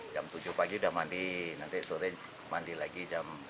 jam tujuh pagi sudah mandi nanti sore mandi lagi jam